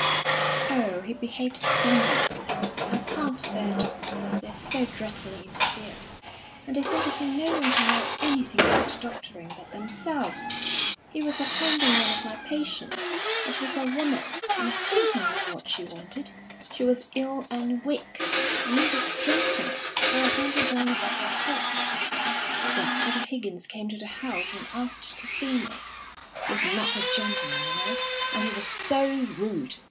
"Oh, he behaved scandalously. I can't bear doctors, they're so dreadfully interfering. And they seem to think no one can know anything about doctoring but themselves! He was attending one of my patients; it was a woman, and of course I knew what she wanted. She was ill and weak, and needed strengthening; so I sent her down a bottle of port. Well, Dr. Higgins came to the house, and asked to see me. He's not a gentleman, you know, and he was so rude!